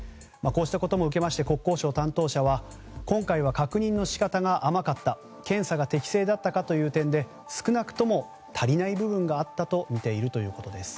今回の件を受けまして国土交通省の担当者は今回は確認の仕方が甘かった検査が適正だったかという点で少なくとも足りない部分があるとみているということです。